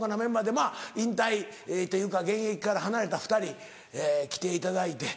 まぁ引退というか現役から離れた２人来ていただいて。